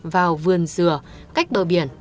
vào vườn dừa cách bờ biển